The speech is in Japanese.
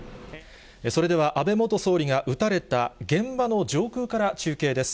それでは、安倍元総理が撃たれた現場の上空から中継です。